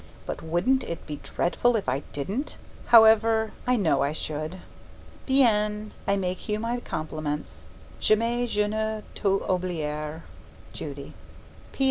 But wouldn't it be dreadful if I didn't? However, I know I should. Bien! I make you my compliments. 'Jamais je ne t'oublierai.' Judy PS.